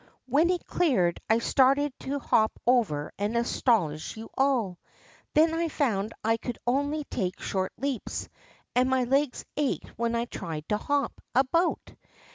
When it cleared, I started to hop over and astonish you all. Then I found I could only take short leaps, and my legs ached when I tried to hop about.